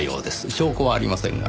証拠はありませんが。